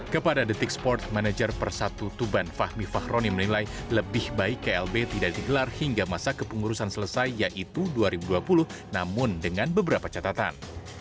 kepada detik sport manajer persatu tuban fahmi fahroni menilai lebih baik klb tidak digelar hingga masa kepengurusan selesai yaitu dua ribu dua puluh namun dengan beberapa catatan